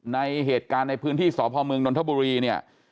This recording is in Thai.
ในเหตุการณ์ในพื้นที่สพเมืองนนทบุรีเนี่ย